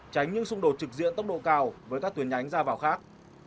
tránh những xung đột trực diện tốc độ cao với các tuyến nhánh ra vào khác